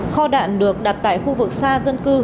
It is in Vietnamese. kho đạn được đặt tại khu vực xa dân cư